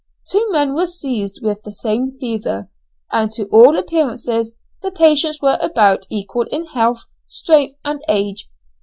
Two men were seized with the same fever, and to all appearance the patients were about equal in health, strength, and age.